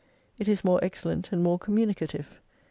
It is more excellent and more communicative.